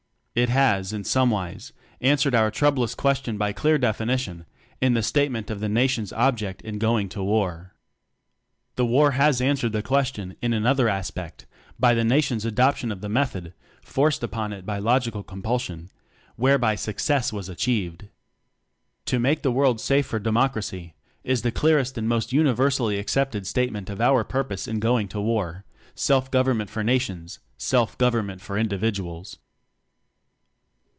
It has, in somewise, answered our troublous question by clear definition in the statement of the Nation's ob ject in going to war. The war has answered the question, in another aspect, by the Nation's adoption of the method (forced upon it by logical compulsion) whereby success was achieved. "To make the World safe for De mocracy" is the clearest and most uni versally accepted statement of our purpose in going to war Self govern ment for Nations, Self government for Individuals.